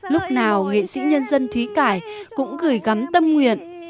lúc nào nghệ sĩ nhân dân thúy cải cũng gửi gắm tâm nguyện